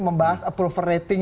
membahas approval rating